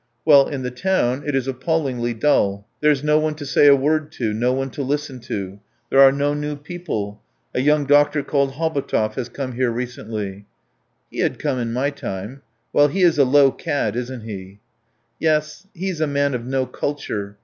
"Well, in the town it is appallingly dull. ... There's no one to say a word to, no one to listen to. There are no new people. A young doctor called Hobotov has come here recently." "He had come in my time. Well, he is a low cad, isn't he?" "Yes, he is a man of no culture.